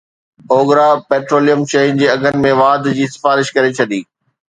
OGRA petroleum شين جي اگهن ۾ واڌ جي سفارش ڪري ڇڏي